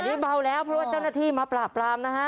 อันนี้เบาแล้วเพราะว่าเจ้าหน้าที่มาปราบปรามนะฮะ